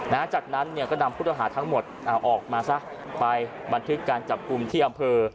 จากนั้นเนี่ยก็นำผู้ต้องหาทั้งหมดเอาออกมาซะไปบันทึกการจับกลุ่มที่อำเภอ